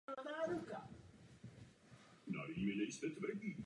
Pracoval hlavně jako dokumentarista Stockholmu pro Stockholmské městské muzeum.